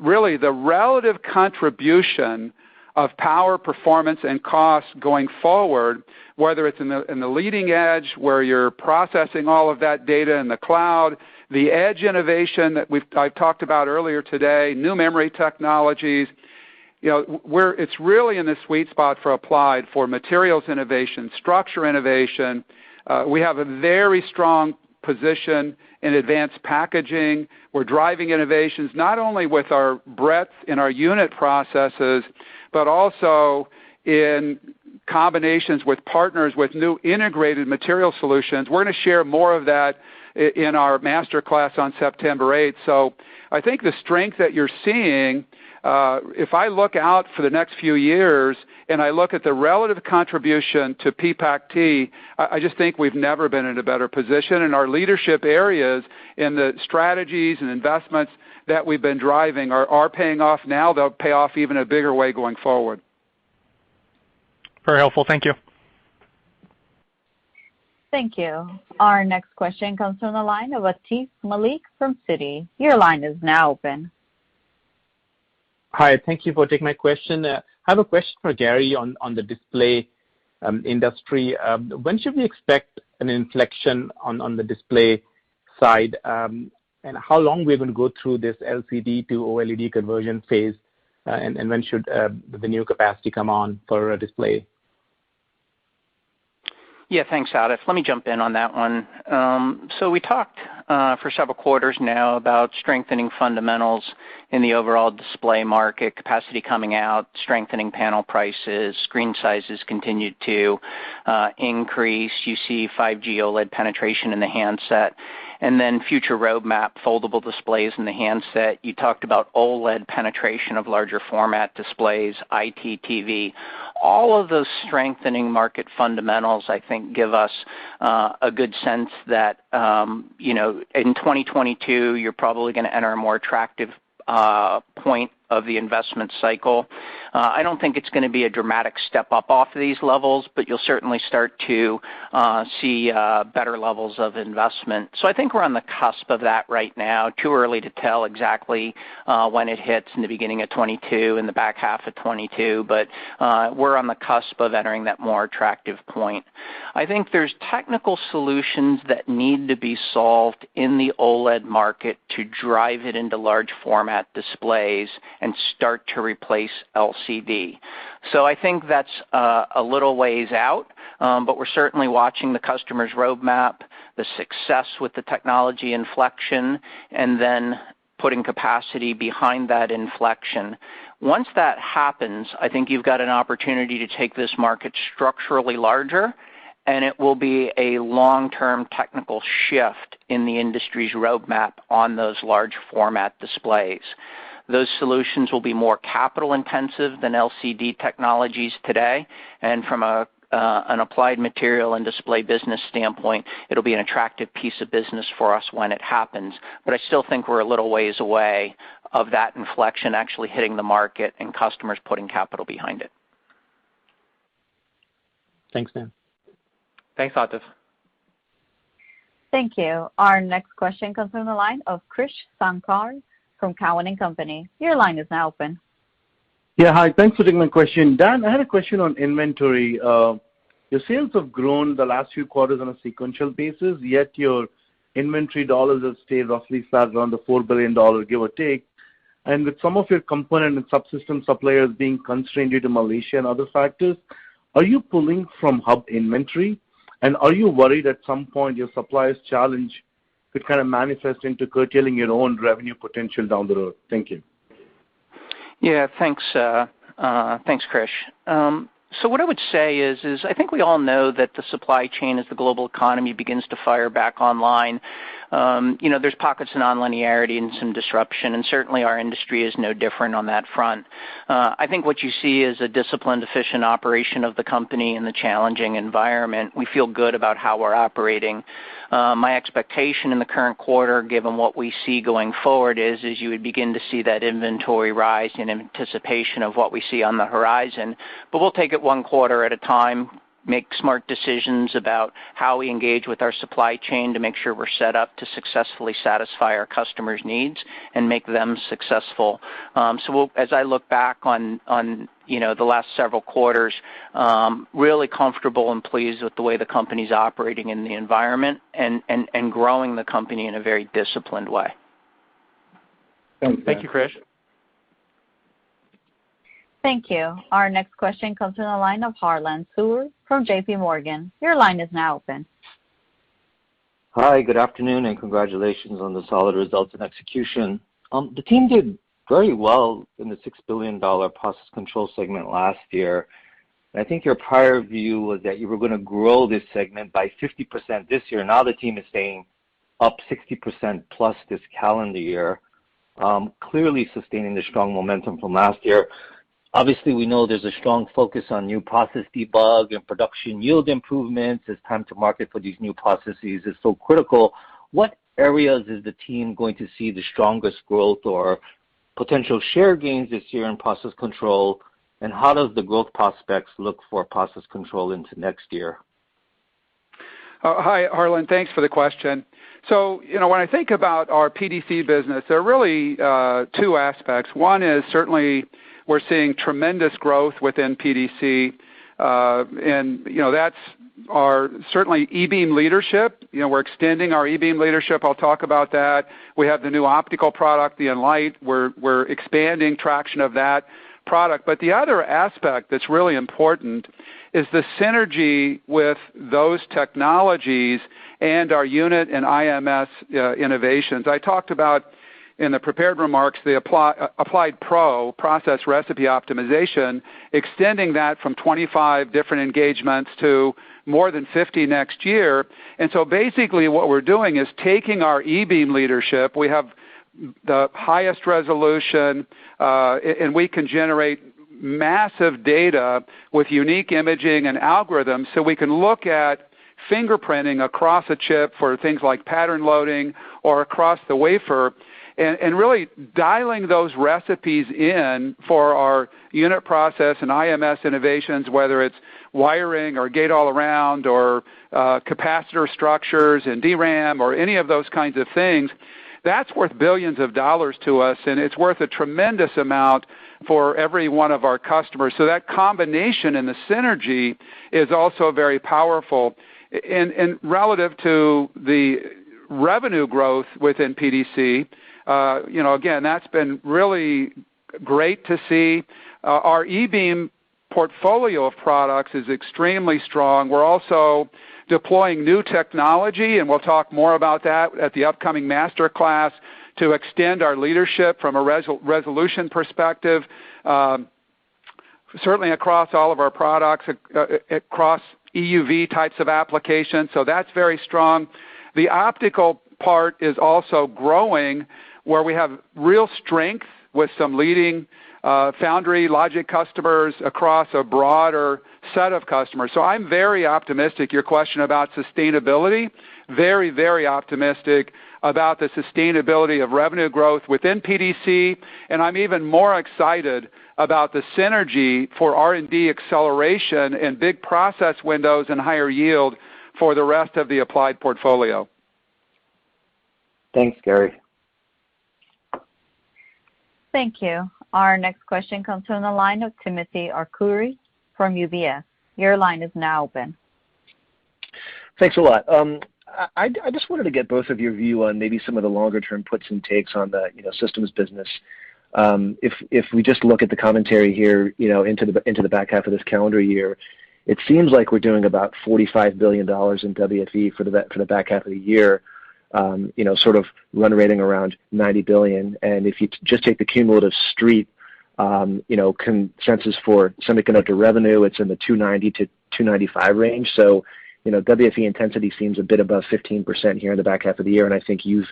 really the relative contribution of power, performance, and cost going forward, whether it's in the leading edge, where you're processing all of that data in the cloud, the edge innovation that I've talked about earlier today, new memory technologies, it's really in the sweet spot for Applied for materials innovation, structure innovation. We have a very strong position in advanced packaging. We're driving innovations not only with our breadth in our unit processes, but also in combinations with partners with new Integrated Materials Solution. We're going to share more of that in our Master Class on September 8th. I think the strength that you're seeing, if I look out for the next few years and I look at the relative contribution to PPACt, I just think we've never been in a better position, and our leadership areas in the strategies and investments that we've been driving are paying off now. They'll pay off even a bigger way going forward. Very helpful. Thank you. Thank you. Our next question comes from the line of Atif Malik from Citi. Your line is now open. Hi, thank you for taking my question. I have a question for Gary on the display industry. When should we expect an inflection on the display side, and how long are we going to go through this LCD to OLED conversion phase, and when should the new capacity come on for a display? Yeah, thanks, Atif. Let me jump in on that one. We talked for several quarters now about strengthening fundamentals in the overall display market, capacity coming out, strengthening panel prices, screen sizes continued to increase. You see 5G OLED penetration in the handset, and then future roadmap, foldable displays in the handset. You talked about OLED penetration of larger format displays, IT, TV. All of those strengthening market fundamentals I think give us a good sense that, in 2022, you're probably going to enter a more attractive point of the investment cycle. I don't think it's going to be a dramatic step up off these levels, but you'll certainly start to see better levels of investment. I think we're on the cusp of that right now. Too early to tell exactly when it hits, in the beginning of 2022, in the back half of 2022, but we're on the cusp of entering that more attractive point. I think there's technical solutions that need to be solved in the OLED market to drive it into large format displays and start to replace LCD. I think that's a little ways out, but we're certainly watching the customer's roadmap, the success with the technology inflection, and then putting capacity behind that inflection. Once that happens, I think you've got an opportunity to take this market structurally larger, and it will be a long-term technical shift in the industry's roadmap on those large format displays. Those solutions will be more capital-intensive than LCD technologies today, and from an Applied Materials and display business standpoint, it'll be an attractive piece of business for us when it happens. I still think we're a little ways away of that inflection actually hitting the market and customers putting capital behind it. Thanks, Dan. Thanks, Atif. Thank you. Our next question comes from the line of Krish Sankar from Cowen and Company. Your line is now open. Yeah, hi. Thanks for taking my question. Dan, I had a question on inventory. Your sales have grown the last few quarters on a sequential basis, yet your inventory dollars have stayed roughly flat around the $4 billion, give or take. With some of your component and subsystem suppliers being constrained due to Malaysia and other factors, are you pulling from hub inventory, and are you worried at some point your suppliers' challenge could kind of manifest into curtailing your own revenue potential down the road? Thank you. Thanks. Thanks, Krish. What I would say is I think we all know that the supply chain, as the global economy begins to fire back online, there's pockets of non-linearity and some disruption, and certainly our industry is no different on that front. I think what you see is a disciplined, efficient operation of the company in the challenging environment. We feel good about how we're operating. My expectation in the current quarter, given what we see going forward is you would begin to see that inventory rise in anticipation of what we see on the horizon. We'll take it one quarter at a time, make smart decisions about how we engage with our supply chain to make sure we're set up to successfully satisfy our customers' needs and make them successful. As I look back on the last several quarters, really comfortable and pleased with the way the company's operating in the environment and growing the company in a very disciplined way. Thanks, Dan. Thank you, Krish. Thank you. Our next question comes from the line of Harlan Sur from JPMorgan. Your line is now open. Hi, good afternoon, and congratulations on the solid results and execution. The team did very well in the $6 billion process control segment last year, and I think your prior view was that you were going to grow this segment by 50% this year. Now the team is saying up 60%+ this calendar year, clearly sustaining the strong momentum from last year. Obviously, we know there's a strong focus on new process debug and production yield improvements as time to market for these new processes is so critical. What areas is the team going to see the strongest growth or potential share gains this year in process control, and how does the growth prospects look for process control into next year? Hi, Harlan. Thanks for the question. When I think about our PDC business, there are really two aspects. One is certainly we're seeing tremendous growth within PDC. That's our, certainly, eBeam leadership. We're extending our eBeam leadership. I'll talk about that. We have the new optical product, the Enlight. We're expanding traction of that product. The other aspect that's really important is the synergy with those technologies and our unit and IMS innovations. I talked about, in the prepared remarks, the AppliedPRO process recipe optimization, extending that from 25 different engagements to more than 50 next year. Basically what we're doing is taking our eBeam leadership. We have the highest resolution, and we can generate massive data with unique imaging and algorithms. We can look at fingerprinting across a chip for things like pattern loading or across the wafer, and really dialing those recipes in for our unit process and IMS innovations, whether it's wiring or gate-all-around or capacitor structures in DRAM or any of those kinds of things. That's worth billions of dollars to us, and it's worth a tremendous amount for every one of our customers. That combination and the synergy is also very powerful. Relative to the revenue growth within PDC, again, that's been really great to see. Our eBeam portfolio of products is extremely strong. We're also deploying new technology, and we'll talk more about that at the upcoming Master Class to extend our leadership from a resolution perspective, certainly across all of our products, across EUV types of applications. That's very strong. The optical part is also growing, where we have real strength with some leading foundry logic customers across a broader set of customers. I'm very optimistic. Your question about sustainability, very optimistic about the sustainability of revenue growth within PDC, and I'm even more excited about the synergy for R&D acceleration and big process windows and higher yield for the rest of the Applied portfolio. Thanks, Gary. Thank you. Our next question comes from the line of Timothy Arcuri from UBS. Your line is now open. Thanks a lot. I just wanted to get both of your view on maybe some of the longer-term puts and takes on the systems business. If we just look at the commentary here into the back half of this calendar year, it seems like we're doing about $45 billion in WFE for the back half of the year, sort of run rating around $90 billion. If you just take the cumulative street consensus for semiconductor revenue, it's in the $290-$295 range. WFE intensity seems a bit above 15% here in the back half of the year, and I think you've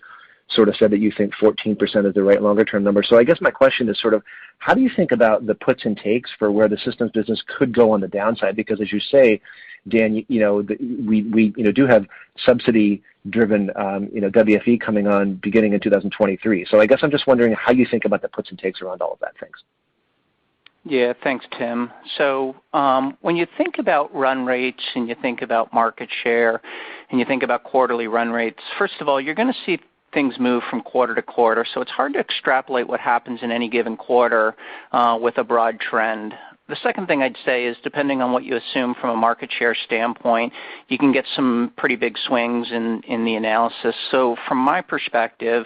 sort of said that you think 14% is the right longer-term number. I guess my question is sort of: How do you think about the puts and takes for where the systems business could go on the downside? Because as you say, Dan, we do have subsidy-driven WFE coming on beginning in 2023. I guess I'm just wondering how you think about the puts and takes around all of that. Thanks. Yeah. Thanks, Tim. When you think about run rates and you think about market share, and you think about quarterly run rates, first of all, you're going to see things move from quarter to quarter. So target extrapolate what happens on any given quarter with the broad trend. The second thing I'd say is, depending on what you assume from a market share standpoint, you can get some pretty big swings in the analysis. From my perspective,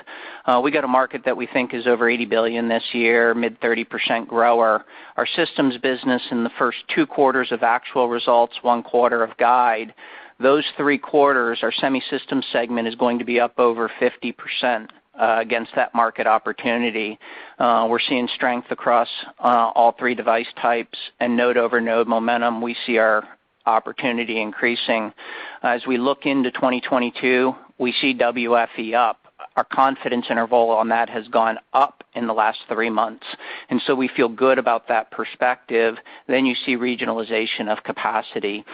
we've got a market that we think is over $80 billion this year, mid-30% grower. Our systems business in the first two quarters of actual results, one quarter of guide, those three quarters, our Semi Systems segment is going to be up over 50% against that market opportunity. We're seeing strength across all three device types and node-over-node momentum. We see our opportunity increasing. As we look into 2022, we see WFE up. Our confidence interval on that has gone up in the last three months, we feel good about that perspective. You see regionalization of capacity.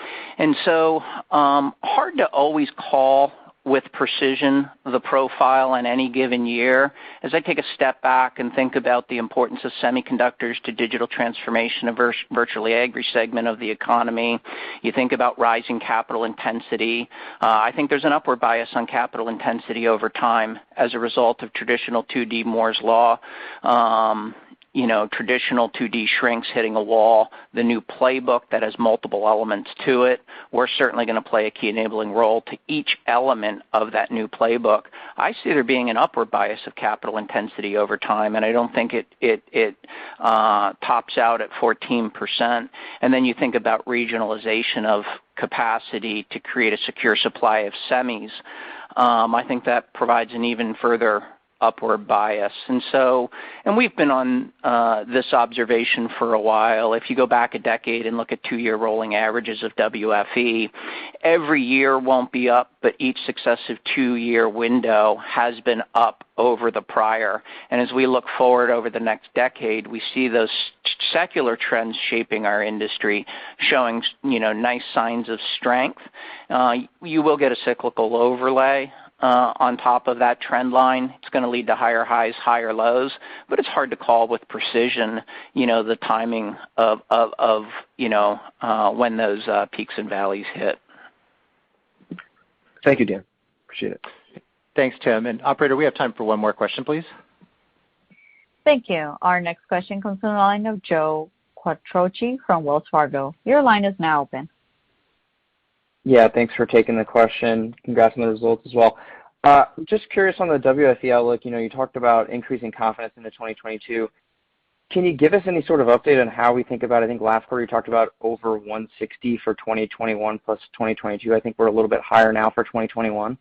Hard to always call with precision the profile in any given year. As I take a step back and think about the importance of semiconductors to digital transformation of virtually every segment of the economy, you think about rising capital intensity. I think there's an upward bias on capital intensity over time as a result of traditional 2D Moore's Law, traditional 2D shrinks hitting a wall, the new playbook that has multiple elements to it. We're certainly going to play a key enabling role to each element of that new playbook. I see there being an upward bias of capital intensity over time, and I don't think it tops out at 14%. You think about regionalization of capacity to create a secure supply of semis. I think that provides an even further upward bias. We've been on this observation for a while. If you go back a decade and look at two-year rolling averages of WFE. Every year won't be up, but each successive two-year window has been up over the prior. As we look forward over the next decade, we see those secular trends shaping our industry, showing nice signs of strength. You will get a cyclical overlay on top of that trend line. It's going to lead to higher highs, higher lows, but it's hard to call with precision the timing of when those peaks and valleys hit. Thank you, Dan. Appreciate it. Thanks, Tim, operator, we have time for one more question, please. Thank you. Our next question comes from the line of Joe Quattrocchi from Wells Fargo. Your line is now open. Yeah, thanks for taking the question. Congrats on the results as well. Just curious on the WFE outlook. You talked about increasing confidence into 2022. Can you give us any sort of update on how we think about, I think last quarter, you talked about over $160 billion for 2021 plus 2022. I think we're a little bit higher now for 2021.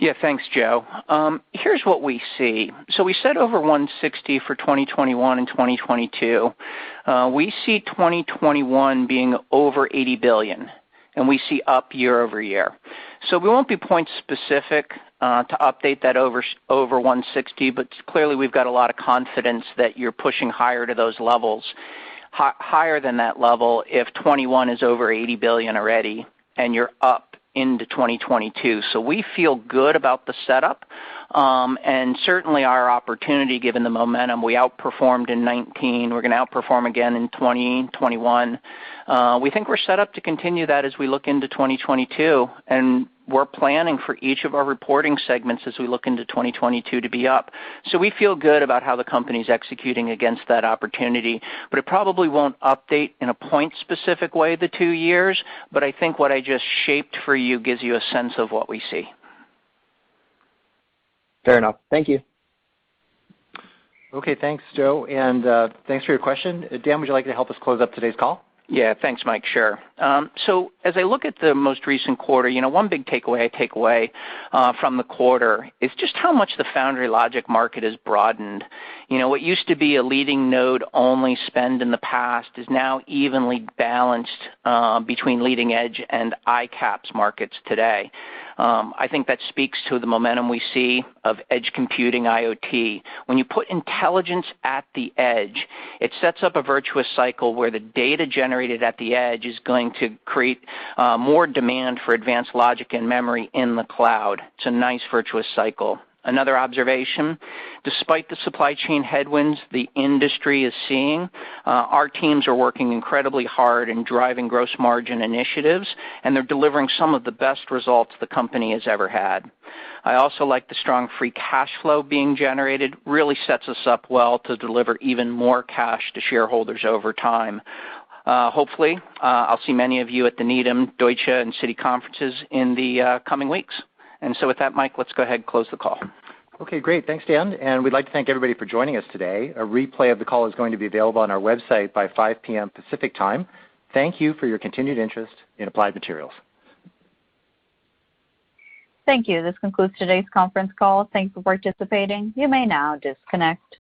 Yeah, thanks, Joe. Here's what we see. We said over $160 billion for 2021 and 2022. We see 2021 being over $80 billion, and we see up year-over-year. We won't be point specific to update that over $160 billion, but clearly we've got a lot of confidence that you're pushing higher to those levels. Higher than that level if 2021 is over $80 billion already and you're up into 2022. We feel good about the setup, and certainly our opportunity given the momentum. We outperformed in 2019. We're going to outperform again in 2020, 2021. We think we're set up to continue that as we look into 2022, and we're planning for each of our reporting segments as we look into 2022 to be up. We feel good about how the company's executing against that opportunity, but it probably won't update in a point specific way the two years. I think what I just shaped for you gives you a sense of what we see. Fair enough. Thank you. Okay, thanks, Joe, and thanks for your question. Dan, would you like to help us close up today's call? Yeah. Thanks, Mike. Sure. As I look at the most recent quarter, one big takeaway I take away from the quarter is just how much the foundry logic market has broadened. What used to be a leading node only spend in the past is now evenly balanced between leading edge and ICAPS markets today. I think that speaks to the momentum we see of edge computing IoT. When you put intelligence at the edge, it sets up a virtuous cycle where the data generated at the edge is going to create more demand for advanced logic and memory in the cloud. It's a nice virtuous cycle. Another observation, despite the supply chain headwinds the industry is seeing, our teams are working incredibly hard in driving gross margin initiatives, and they're delivering some of the best results the company has ever had. I also like the strong free cash flow being generated, really sets us up well to deliver even more cash to shareholders over time. Hopefully, I'll see many of you at the Needham, Deutsche, and Citi conferences in the coming weeks. With that, Mike, let's go ahead and close the call. Okay, great. Thanks, Dan, and we'd like to thank everybody for joining us today. A replay of the call is going to be available on our website by 5:00 P.M. Pacific Time. Thank you for your continued interest in Applied Materials. Thank you. This concludes today's conference call. Thanks for participating. You may now disconnect.